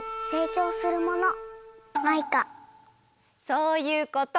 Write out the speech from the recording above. そういうこと。